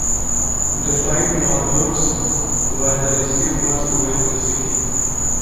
They fight Morbots, while the Rescue Bots go into the city.